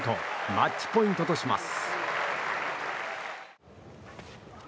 マッチポイントとします。